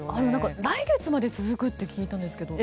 来月まで続くって聞いたんですけど。